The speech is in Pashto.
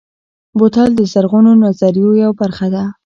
بوتل د زرغونو نظریو یوه برخه ده.